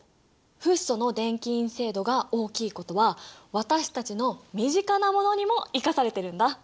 フッ素の電気陰性度が大きいことは私たちの身近なものにも生かされてるんだ。